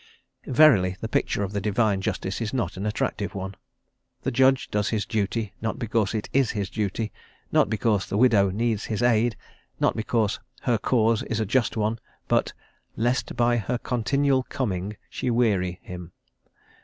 Verily, the picture of the divine justice is not an attractive one! The judge does his duty, not because it is his duty, not because the widow needs his aid, not because her cause is a just one, but "lest by her continual coming she weary" him.